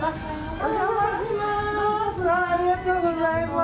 お邪魔します。